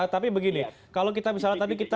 tapi begini kalau kita misalnya tadi kita